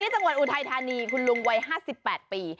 ที่จังหวัดอุทัยธานีคุณลุงวัยห้าสิบแปดปี